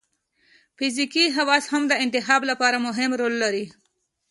فزیکي خواص هم د انتخاب لپاره مهم رول لري.